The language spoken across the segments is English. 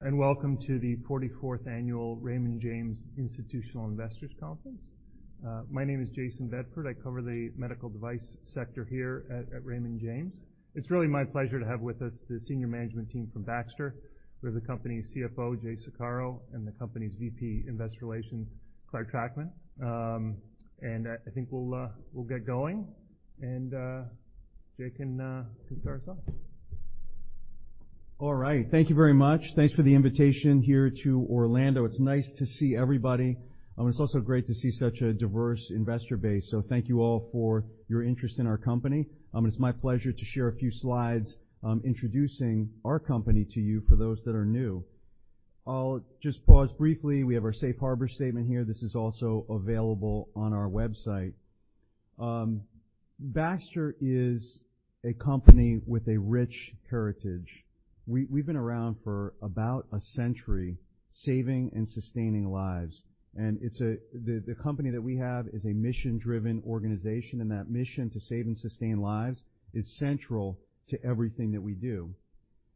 Welcome to the 44th Annual Raymond James Institutional Investors Conference. My name is Jayson Bedford. I cover the medical device sector here at Raymond James. It's really my pleasure to have with us the senior management team from Baxter. We have the company's CFO, Jay Saccaro, and the company's VP Investor Relations, Clare Trachtman. I think we'll get going, Jay can start us off. All right. Thank you very much. Thanks for the invitation here to Orlando. It's nice to see everybody, and it's also great to see such a diverse investor base. Thank you all for your interest in our company. It's my pleasure to share a few slides, introducing our company to you for those that are new. I'll just pause briefly. We have our safe harbor statement here. This is also available on our website. Baxter is a company with a rich heritage. We've been around for about a century, saving and sustaining lives. The company that we have is a mission-driven organization, and that mission to save and sustain lives is central to everything that we do.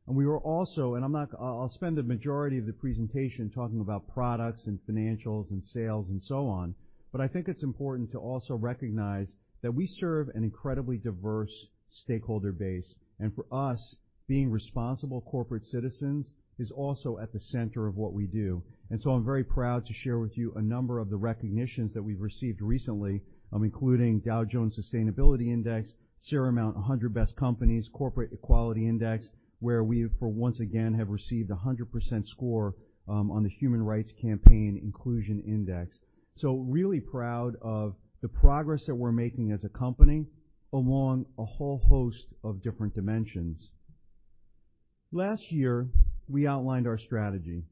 We are also... I'll spend the majority of the presentation talking about products and financials and sales and so on, but I think it's important to also recognize that we serve an incredibly diverse stakeholder base. For us, being responsible corporate citizens is also at the center of what we do. I'm very proud to share with you a number of the recognitions that we've received recently, including Dow Jones Sustainability Index, Seramount 100 Best Companies, Corporate Equality Index, where we for once again have received a 100% score on the Human Rights Campaign Inclusion Index. Really proud of the progress that we're making as a company along a whole host of different dimensions. Last year, we outlined our strategy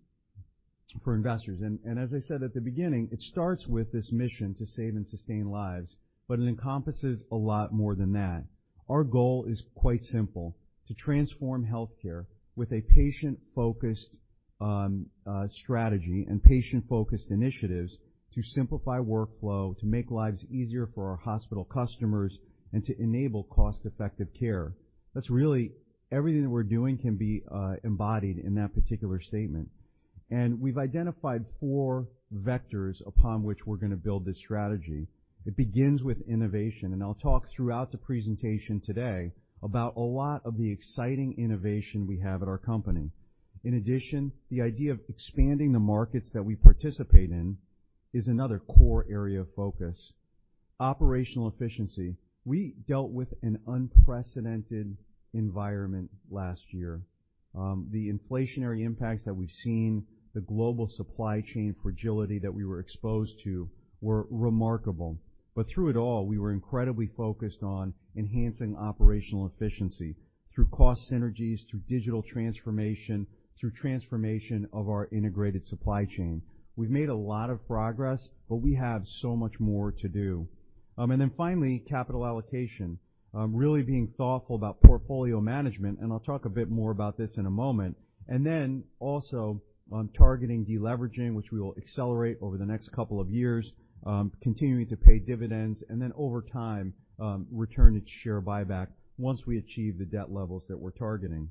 for investors. As I said at the beginning, it starts with this mission to save and sustain lives, but it encompasses a lot more than that. Our goal is quite simple: to transform healthcare with a patient-focused strategy and patient-focused initiatives to simplify workflow, to make lives easier for our hospital customers, and to enable cost-effective care. That's really everything that we're doing can be embodied in that particular statement. We've identified four vectors upon which we're gonna build this strategy. It begins with innovation. I'll talk throughout the presentation today about a lot of the exciting innovation we have at our company. In addition, the idea of expanding the markets that we participate in is another core area of focus. Operational efficiency. We dealt with an unprecedented environment last year. The inflationary impacts that we've seen, the global supply chain fragility that we were exposed to were remarkable. Through it all, we were incredibly focused on enhancing operational efficiency through cost synergies, through digital transformation, through transformation of our integrated supply chain. We've made a lot of progress, but we have so much more to do. Finally, capital allocation. Really being thoughtful about portfolio management, and I'll talk a bit more about this in a moment. Also on targeting deleveraging, which we will accelerate over the next couple of years, continuing to pay dividends, and then over time, return to share buyback once we achieve the debt levels that we're targeting.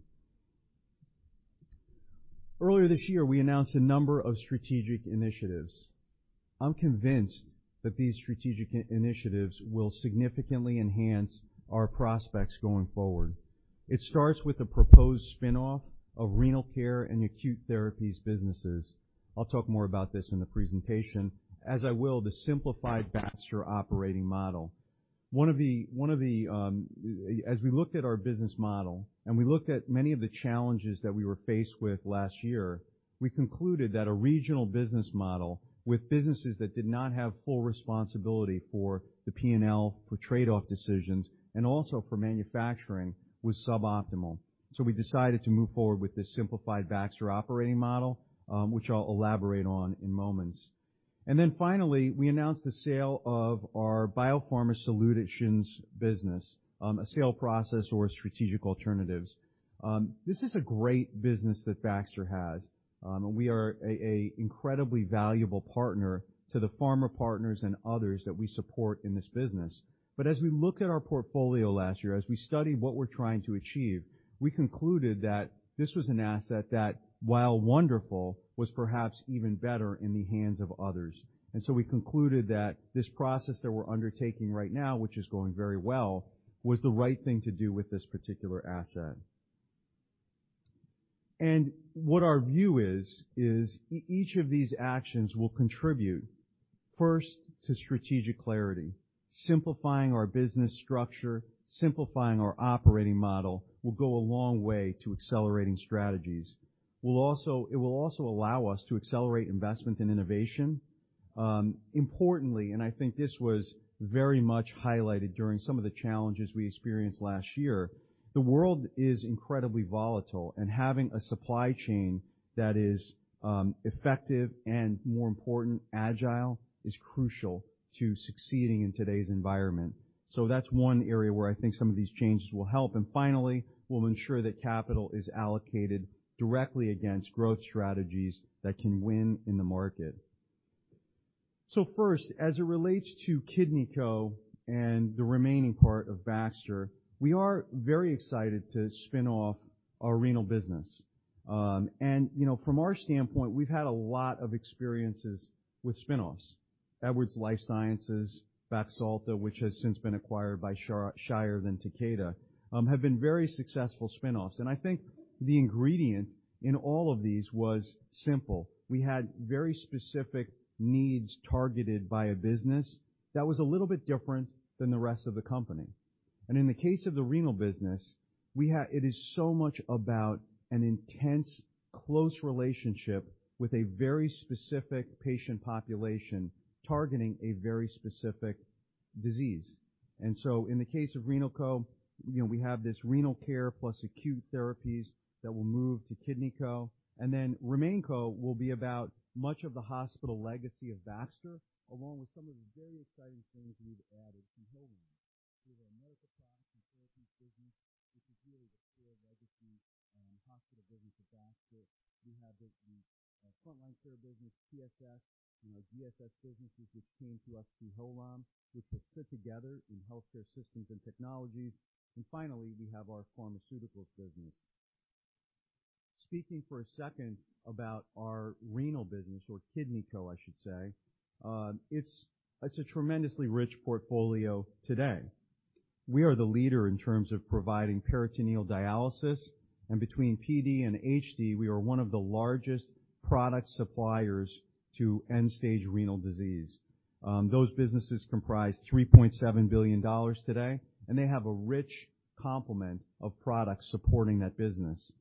Earlier this year, we announced a number of strategic initiatives. I'm convinced that these strategic initiatives will significantly enhance our prospects going forward. It starts with the proposed spin-off of Renal Care and Acute Therapies businesses. I'll talk more about this in the presentation, as I will the simplified Baxter operating model. One of the as we looked at our business model and we looked at many of the challenges that we were faced with last year, we concluded that a regional business model with businesses that did not have full responsibility for the P&L, for trade-off decisions, and also for manufacturing, was suboptimal. We decided to move forward with this simplified Baxter operating model, which I'll elaborate on in moments. Finally, we announced the sale of our BioPharma Solutions business, a sale process or strategic alternatives. This is a great business that Baxter has. We are a incredibly valuable partner to the pharma partners and others that we support in this business. As we looked at our portfolio last year, as we studied what we're trying to achieve, we concluded that this was an asset that, while wonderful, was perhaps even better in the hands of others. We concluded that this process that we're undertaking right now, which is going very well, was the right thing to do with this particular asset. What our view is each of these actions will contribute, first, to strategic clarity. Simplifying our business structure, simplifying our operating model will go a long way to accelerating strategies. It will also allow us to accelerate investment in innovation. Importantly, I think this was very much highlighted during some of the challenges we experienced last year, the world is incredibly volatile. Having a supply chain that is effective and, more important, agile, is crucial to succeeding in today's environment. That's one area where I think some of these changes will help. Finally, we'll ensure that capital is allocated directly against growth strategies that can win in the market. First, as it relates to KidneyCo and the remaining part of Baxter, we are very excited to spin off our renal business. You know, from our standpoint, we've had a lot of experiences with spin-offs. Edwards Lifesciences, Baxalta, which has since been acquired by Shire then Takeda, have been very successful spin-offs. I think the ingredient in all of these was simple. We had very specific needs targeted by a business that was a little bit different than the rest of the company. In the case of the Renal Care business, it is so much about an intense close relationship with a very specific patient population targeting a very specific disease. In the case of Vantive, you know, we have this Renal Care plus Acute Therapies that will move to Vantive, then Baxter International will be about much of the hospital legacy of Baxter, along with some of the very exciting things we've added from Hillrom. We have a Medical Products and Therapies business, which is really the core legacy hospital business of Baxter. We have the Frontline Care business, TSS, and our VSS businesses, which came to us through Hillrom, which will sit together in Healthcare Systems and Technologies. Finally, we have our pharmaceuticals business. Speaking for a second about our Renal Care business or KidneyCo, I should say, it's a tremendously rich portfolio today. We are the leader in terms of providing peritoneal dialysis, and between PD and HD, we are one of the largest product suppliers to end-stage renal disease. Those businesses comprise $3.7 billion today, and they have a rich complement of products supporting that business.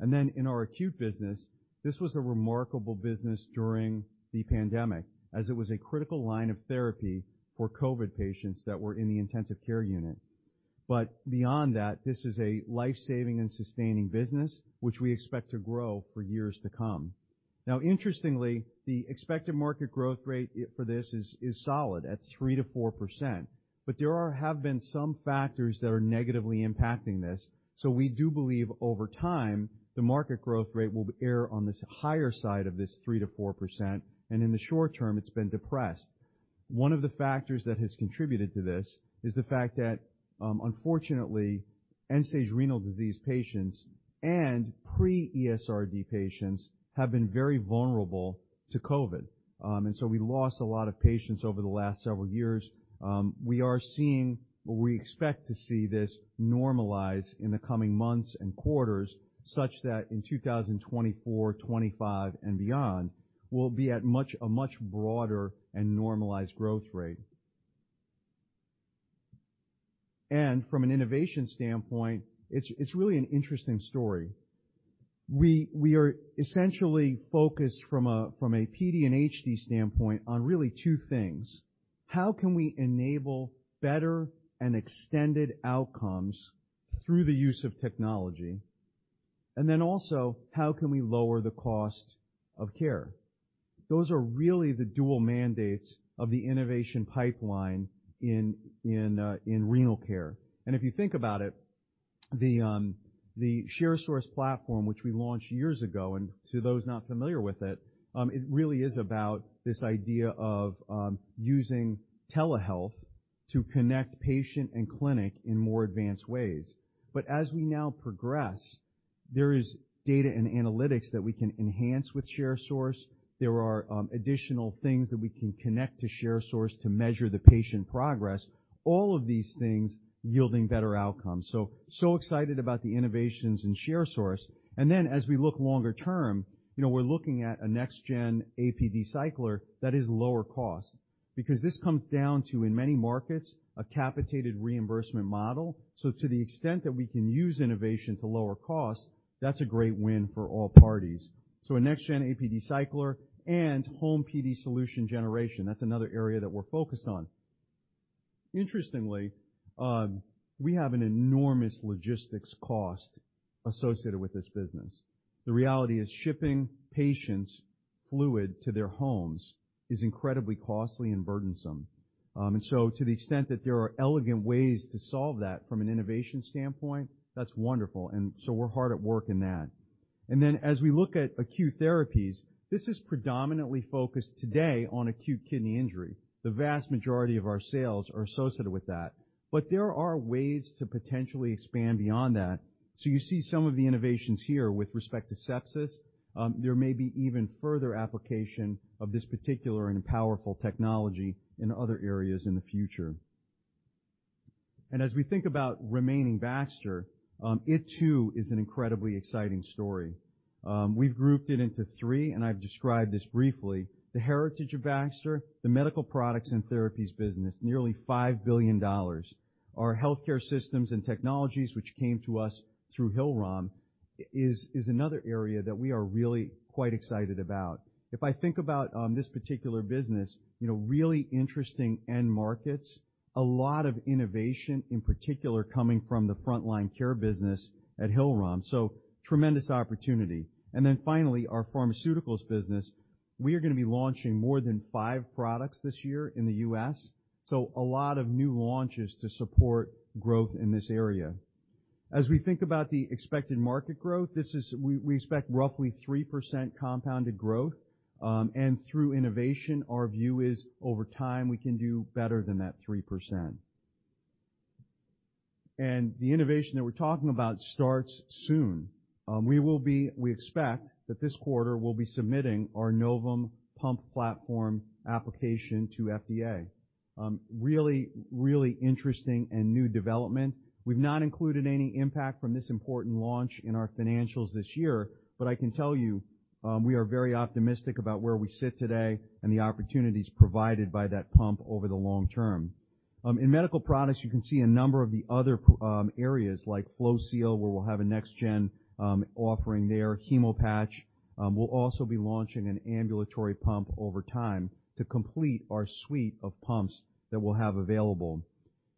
In our Acute business, this was a remarkable business during the pandemic, as it was a critical line of therapy for COVID patients that were in the intensive care unit. Beyond that, this is a life-saving and sustaining business, which we expect to grow for years to come. Interestingly, the expected market growth rate for this is solid at 3%-4%, but there have been some factors that are negatively impacting this. We do believe over time, the market growth rate will err on this higher side of this 3%-4%, and in the short term, it's been depressed. One of the factors that has contributed to this is the fact that, unfortunately, end-stage renal disease patients and pre-ESRD patients have been very vulnerable to COVID. We lost a lot of patients over the last several years. We are seeing or we expect to see this normalize in the coming months and quarters, such that in 2024, 2025 and beyond, we'll be at a much broader and normalized growth rate. From an innovation standpoint, it's really an interesting story. We are essentially focused from a PD and HD standpoint on really two things. How can we enable better and extended outcomes through the use of technology? Also, how can we lower the cost of care? Those are really the dual mandates of the innovation pipeline in Renal Care. If you think about it, the Sharesource platform, which we launched years ago, and to those not familiar with it really is about this idea of using telehealth to connect patient and clinic in more advanced ways. As we now progress, there is data and analytics that we can enhance with Sharesource. There are additional things that we can connect to Sharesource to measure the patient progress, all of these things yielding better outcomes. Excited about the innovations in Sharesource. As we look longer term, you know, we're looking at a next gen APD cycler that is lower cost. Because this comes down to, in many markets, a capitated reimbursement model. To the extent that we can use innovation to lower costs, that's a great win for all parties. A next-gen APD cycler and home PD solution generation. That's another area that we're focused on. Interestingly, we have an enormous logistics cost associated with this business. The reality is shipping patients' fluid to their homes is incredibly costly and burdensome. To the extent that there are elegant ways to solve that from an innovation standpoint, that's wonderful. We're hard at work in that. As we look at Acute Therapies, this is predominantly focused today on acute kidney injury. The vast majority of our sales are associated with that. There are ways to potentially expand beyond that. There may be even further application of this particular and powerful technology in other areas in the future. As we think about remaining Baxter, it too is an incredibly exciting story. We've grouped it into three, and I've described this briefly. The heritage of Baxter, the Medical Products and Therapies business, nearly $5 billion. Our Healthcare Systems and Technologies, which came to us through Hillrom, is another area that we are really quite excited about. If I think about, this particular business, you know, really interesting end markets, a lot of innovation, in particular, coming from the Frontline Care business at Hillrom, so tremendous opportunity. Then finally, our Pharmaceuticals business. We are gonna be launching more than five products this year in the U.S., so a lot of new launches to support growth in this area. As we think about the expected market growth, we expect roughly 3% compounded growth. Through innovation, our view is over time, we can do better than that 3%. The innovation that we're talking about starts soon. We expect that this quarter, we'll be submitting our Novum pump platform application to FDA. Really, really interesting and new development. We've not included any impact from this important launch in our financials this year, but I can tell you, we are very optimistic about where we sit today and the opportunities provided by that pump over the long term. In medical products, you can see a number of the other areas like Floseal, where we'll have a next-gen offering there, HEMOPATCH. We'll also be launching an ambulatory pump over time to complete our suite of pumps that we'll have available.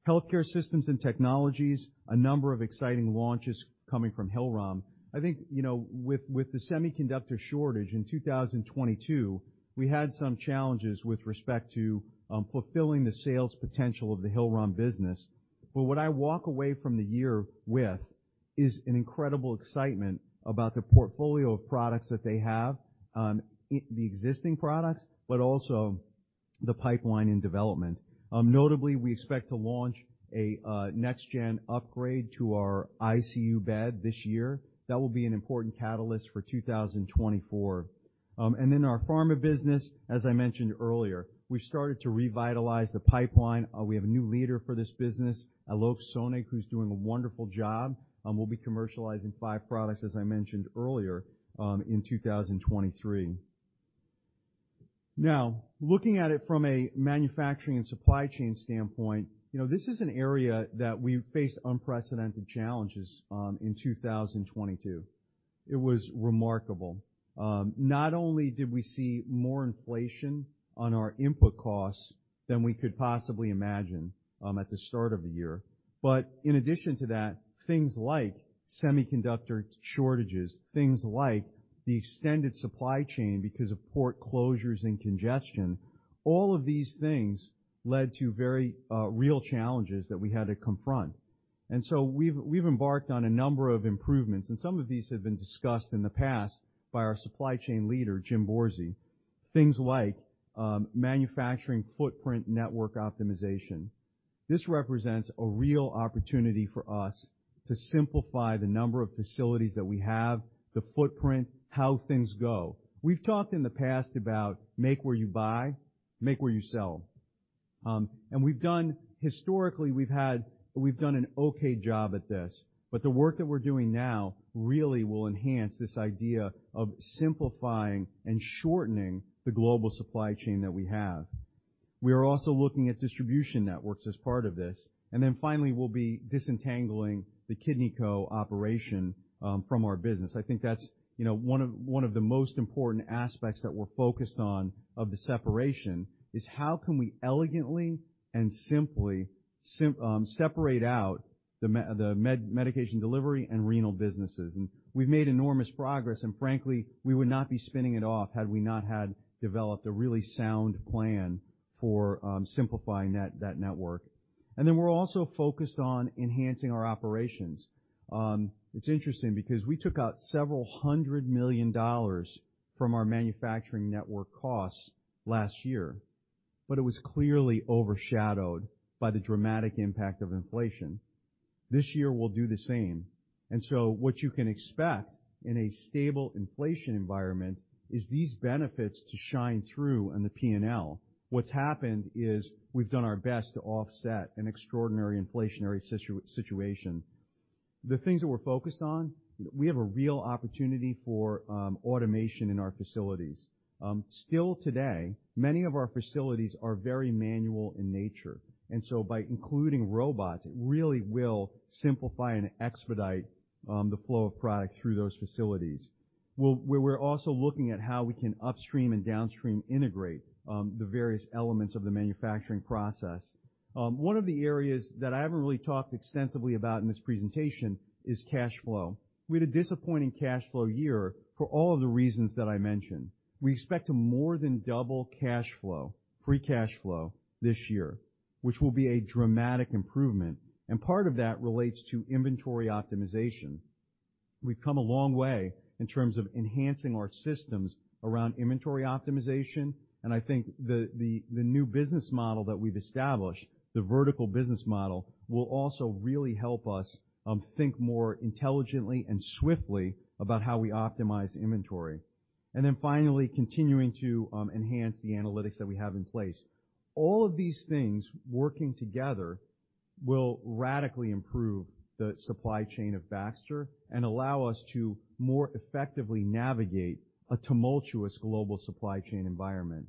Healthcare Systems and Technologies, a number of exciting launches coming from Hillrom. I think, you know, with the semiconductor shortage in 2022, we had some challenges with respect to fulfilling the sales potential of the Hillrom business. What I walk away from the year with is an incredible excitement about the portfolio of products that they have, the existing products, but also the pipeline in development. Notably, we expect to launch a next-gen upgrade to our ICU bed this year. That will be an important catalyst for 2024. Our Pharma business, as I mentioned earlier, we started to revitalize the pipeline. We have a new leader for this business, Alok Sonig, who's doing a wonderful job, and we'll be commercializing five products, as I mentioned earlier, in 2023. Looking at it from a manufacturing and supply chain standpoint, you know, this is an area that we faced unprecedented challenges in 2022. It was remarkable. Not only did we see more inflation on our input costs than we could possibly imagine at the start of the year, but in addition to that, things like semiconductor shortages, things like the extended supply chain because of port closures and congestion, all of these things led to very real challenges that we had to confront. We've embarked on a number of improvements, and some of these have been discussed in the past by our supply chain leader, Jim Borzi. Things like manufacturing footprint network optimization. This represents a real opportunity for us to simplify the number of facilities that we have, the footprint, how things go. We've talked in the past about make where you buy, make where you sell. Historically, we've done an okay job at this, but the work that we're doing now really will enhance this idea of simplifying and shortening the global supply chain that we have. We are also looking at distribution networks as part of this. Finally, we'll be disentangling the KidneyCo operation from our business. I think that's, you know, one of the most important aspects that we're focused on of the separation is how can we elegantly and simply separate out the Medication delivery and Renal Care businesses. We've made enormous progress, and frankly, we would not be spinning it off had we not developed a really sound plan for simplifying that network. We're also focused on enhancing our operations. It's interesting because we took out several hundred million U.S. dollars from our manufacturing network costs last year, but it was clearly overshadowed by the dramatic impact of inflation. This year, we'll do the same. What you can expect in a stable inflation environment is these benefits to shine through on the P&L. What's happened is we've done our best to offset an extraordinary inflationary situation. The things that we're focused on, we have a real opportunity for automation in our facilities. Still today, many of our facilities are very manual in nature. So by including robots, it really will simplify and expedite the flow of product through those facilities. We're also looking at how we can upstream and downstream integrate the various elements of the manufacturing process. One of the areas that I haven't really talked extensively about in this presentation is cash flow. We had a disappointing cash flow year for all of the reasons that I mentioned. We expect to more than double cash flow, free cash flow this year, which will be a dramatic improvement. Part of that relates to inventory optimization. We've come a long way in terms of enhancing our systems around inventory optimization. I think the new business model that we've established, the vertical business model, will also really help us think more intelligently and swiftly about how we optimize inventory. Finally, continuing to enhance the analytics that we have in place. All of these things working together will radically improve the supply chain of Baxter and allow us to more effectively navigate a tumultuous global supply chain environment.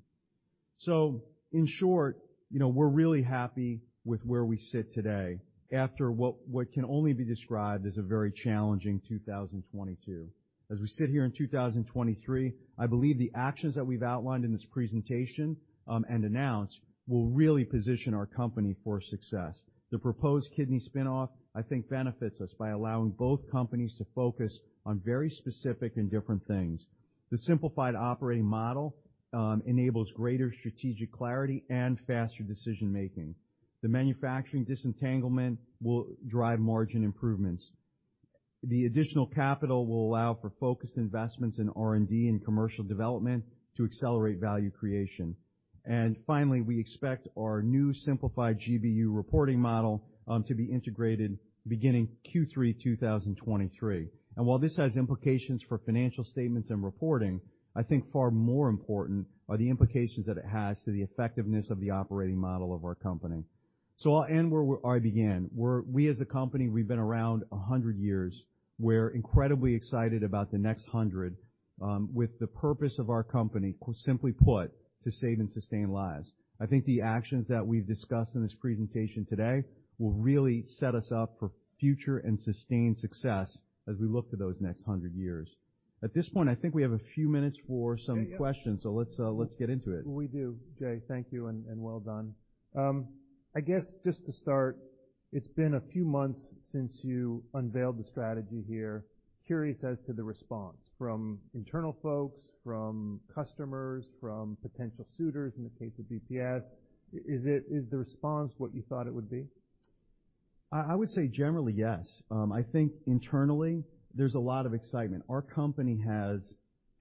In short, you know, we're really happy with where we sit today after what can only be described as a very challenging 2022. As we sit here in 2023, I believe the actions that we've outlined in this presentation and announced will really position our company for success. The proposed kidney spinoff, I think, benefits us by allowing both companies to focus on very specific and different things. The simplified operating model enables greater strategic clarity and faster decision-making. The manufacturing disentanglement will drive margin improvements. The additional capital will allow for focused investments in R&D and commercial development to accelerate value creation. Finally, we expect our new simplified GBU reporting model to be integrated beginning Q3 2023. While this has implications for financial statements and reporting, I think far more important are the implications that it has to the effectiveness of the operating model of our company. I'll end where I began. We as a company, we've been around 100 years. We're incredibly excited about the next 100 years, with the purpose of our company, simply put, to save and sustain lives. I think the actions that we've discussed in this presentation today will really set us up for future and sustained success as we look to those next 100 years. At this point, I think we have a few minutes for some questions. Yeah, yeah. Let's get into it. We do. Jay, thank you, and well done. I guess just to start, it's been a few months since you unveiled the strategy here. Curious as to the response from internal folks, from customers, from potential suitors in the case of BPS. Is the response what you thought it would be? I would say generally, yes. I think internally, there's a lot of excitement. Our company has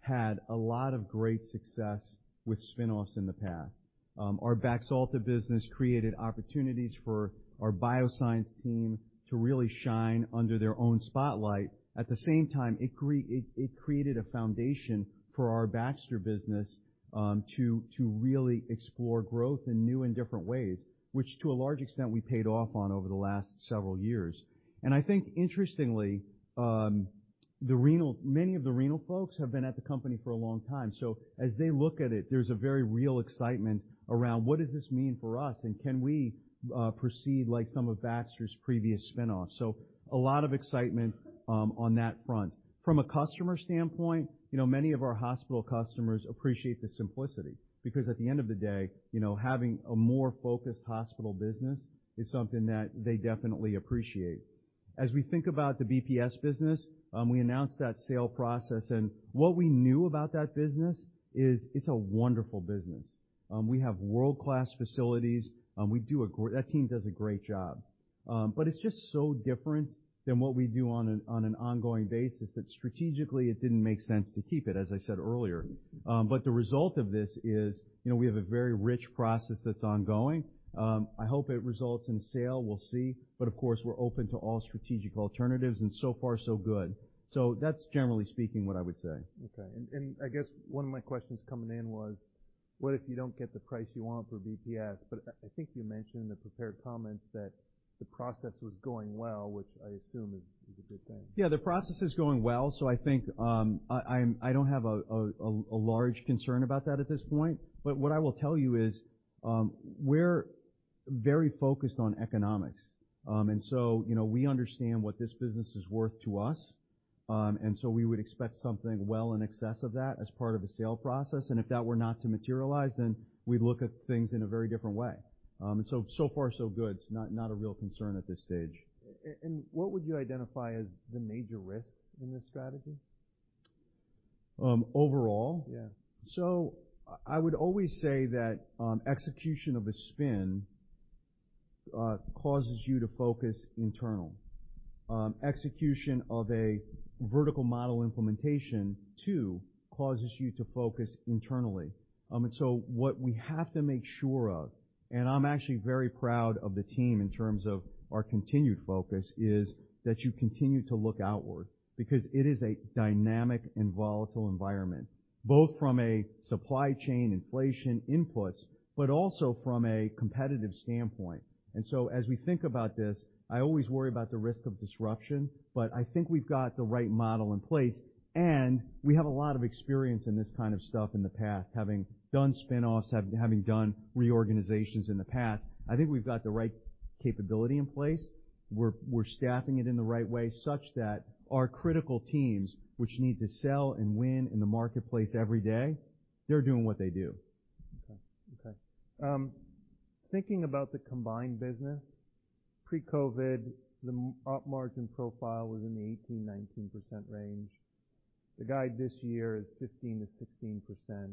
had a lot of great success with spinoffs in the past. Our Baxalta business created opportunities for our bioscience team to really shine under their own spotlight. At the same time, it created a foundation for our Baxter business to really explore growth in new and different ways, which to a large extent, we paid off on over the last several years. I think interestingly, many of the renal folks have been at the company for a long time. As they look at it, there's a very real excitement around what does this mean for us, and can we proceed like some of Baxter's previous spinoffs? A lot of excitement on that front. From a customer standpoint, you know, many of our hospital customers appreciate the simplicity because at the end of the day, you know, having a more focused hospital business is something that they definitely appreciate. As we think about the BPS business, we announced that sale process, and what we knew about that business is it's a wonderful business. We have world-class facilities. That team does a great job. It's just so different than what we do on an ongoing basis that strategically it didn't make sense to keep it, as I said earlier. The result of this is, you know, we have a very rich process that's ongoing. I hope it results in sale. We'll see. Of course, we're open to all strategic alternatives, and so far, so good. That's generally speaking what I would say. Okay. I guess one of my questions coming in was, what if you don't get the price you want for BPS? I think you mentioned in the prepared comments that the process was going well, which I assume is a good thing. Yeah, the process is going well, so I think, I don't have a large concern about that at this point. What I will tell you is, we're very focused on economics. You know, we understand what this business is worth to us, and so we would expect something well in excess of that as part of the sale process. If that were not to materialize, then we'd look at things in a very different way. So far, so good. It's not a real concern at this stage. What would you identify as the major risks in this strategy? Overall? Yeah. I would always say that, execution of a spin, causes you to focus internal. Execution of a vertical model implementation too causes you to focus internally. What we have to make sure of, and I'm actually very proud of the team in terms of our continued focus, is that you continue to look outward because it is a dynamic and volatile environment, both from a supply chain inflation inputs, but also from a competitive standpoint. As we think about this, I always worry about the risk of disruption, but I think we've got the right model in place, and we have a lot of experience in this kind of stuff in the past, having done spinoffs, having done reorganizations in the past. I think we've got the right capability in place. We're staffing it in the right way such that our critical teams, which need to sell and win in the marketplace every day, they're doing what they do. Okay. Okay. Thinking about the combined business, pre-COVID, the Op margin profile was in the 18%-19% range. The guide this year is 15%-16%.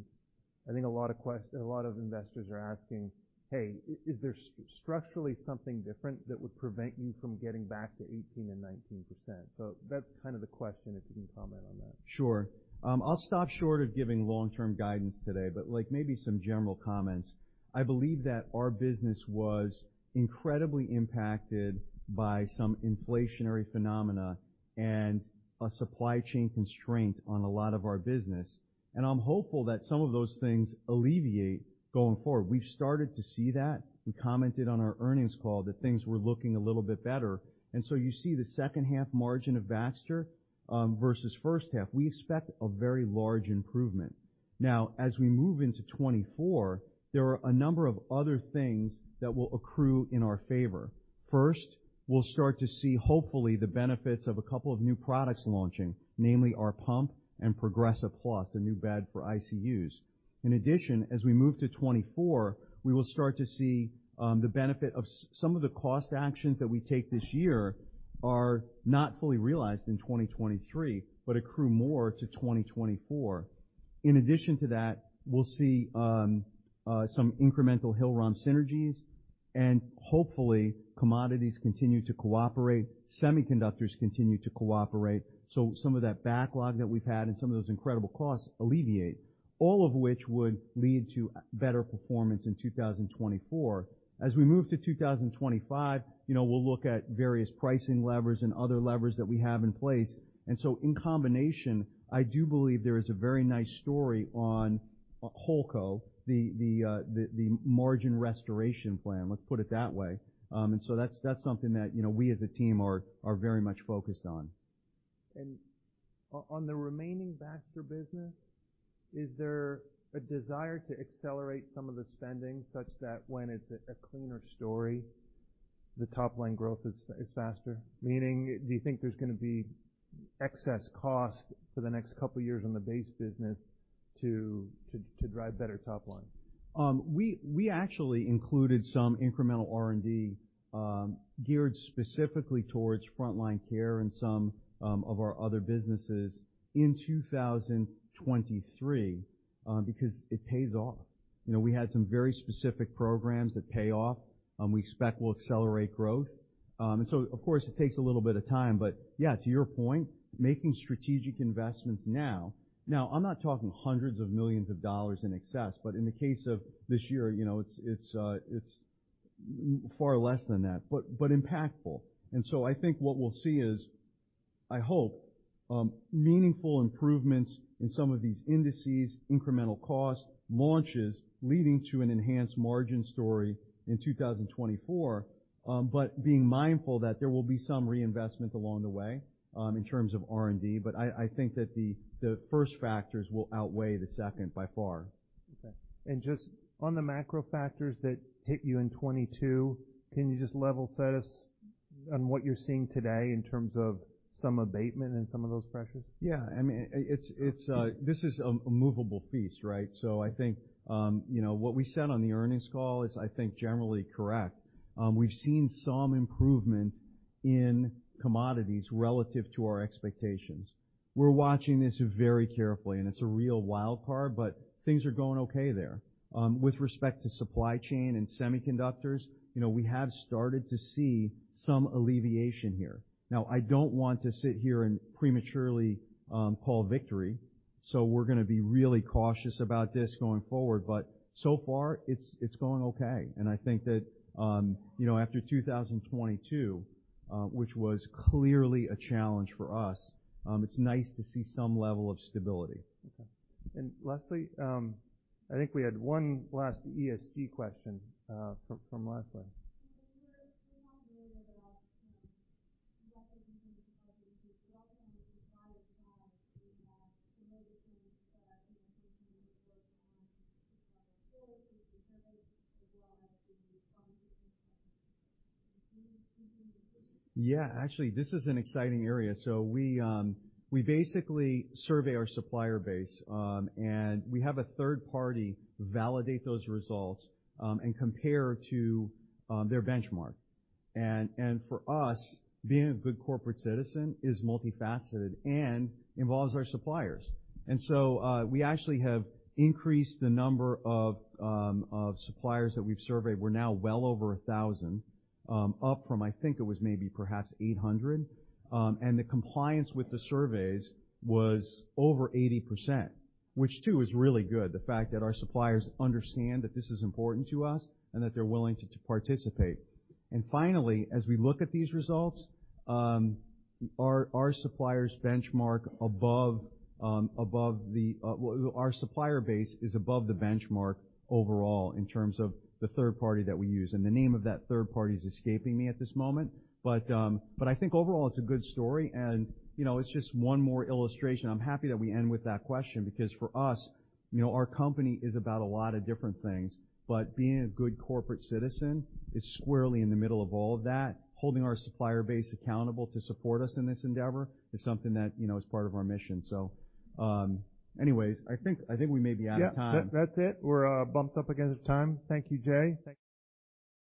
I think a lot of investors are asking, "Hey, is there structurally something different that would prevent you from getting back to 18% and 19%?" That's kind of the question, if you can comment on that. Sure. I'll stop short of giving long-term guidance today, but like maybe some general comments. I believe that our business was incredibly impacted by some inflationary phenomena and a supply chain constraint on a lot of our business. I'm hopeful that some of those things alleviate going forward. We've started to see that. We commented on our earnings call that things were looking a little bit better. You see the second half margin of Baxter versus first half. We expect a very large improvement. Now, as we move into 2024, there are a number of other things that will accrue in our favor. First, we'll start to see hopefully the benefits of a couple of new products launching, namely our pump and Progressa+ Plus, a new bed for ICUs. As we move to 2024, we will start to see the benefit of some of the cost actions that we take this year are not fully realized in 2023, but accrue more to 2024. In addition to that, we'll see some incremental Hill-Rom synergies. Hopefully, commodities continue to cooperate, semiconductors continue to cooperate. Some of that backlog that we've had and some of those incredible costs alleviate, all of which would lead to better performance in 2024. As we move to 2025, you know, we'll look at various pricing levers and other levers that we have in place. In combination, I do believe there is a very nice story on HoldCo, the margin restoration plan, let's put it that way. That's something that, you know, we as a team are very much focused on. On the remaining Baxter business, is there a desire to accelerate some of the spending such that when it's a cleaner story, the top line growth is faster? Meaning, do you think there's gonna be excess cost for the next couple of years on the base business to drive better top line? We actually included some incremental R&D, geared specifically towards Frontline Care and some, of our other businesses in 2023, because it pays off. You know, we had some very specific programs that pay off, we expect will accelerate growth. Of course, it takes a little bit of time, but yeah, to your point, making strategic investments now. Now, I'm not talking hundreds of millions of U.S. dollars in excess, but in the case of this year, you know, it's far less than that, but impactful. I think what we'll see is, I hope, meaningful improvements in some of these indices, incremental costs, launches, leading to an enhanced margin story in 2024, but being mindful that there will be some reinvestment along the way, in terms of R&D. I think that the first factors will outweigh the second by far. Okay. Just on the macro factors that hit you in 2022, can you just level set us on what you're seeing today in terms of some abatement in some of those pressures? Yeah. I mean, it's, this is a movable feast, right? I think, you know, what we said on the earnings call is I think generally correct. We've seen some improvement in commodities relative to our expectations. We're watching this very carefully, and it's a real wild card, but things are going okay there. With respect to supply chain and semiconductors, you know, we have started to see some alleviation here. Now, I don't want to sit here and prematurely call victory, we're gonna be really cautious about this going forward. So far, it's going okay. I think that, you know, after 2022, which was clearly a challenge for us, it's nice to see some level of stability. Okay. Lastly, I think we had one last ESG question, from Leslie. Yeah. Actually, this is an exciting area. We basically survey our supplier base, and we have a third party validate those results, and compare to, their benchmark. For us, being a good corporate citizen is multifaceted and involves our suppliers. We actually have increased the number of suppliers that we've surveyed. We're now well over 1,000 suppliers, up from, I think it was maybe perhaps 800 suppliers. The compliance with the surveys was over 80%, which too is really good. The fact that our suppliers understand that this is important to us and that they're willing to participate. Finally, as we look at these results, our suppliers benchmark above the... Our supplier base is above the benchmark overall in terms of the third party that we use. The name of that third party is escaping me at this moment. I think overall it's a good story and, you know, it's just one more illustration. I'm happy that we end with that question because for us, you know, our company is about a lot of different things, but being a good corporate citizen is squarely in the middle of all of that. Holding our supplier base accountable to support us in this endeavor is something that, you know, is part of our mission. Anyways, I think we may be out of time. Yeah. That, that's it. We're bumped up against time. Thank you, Jay. Thank you.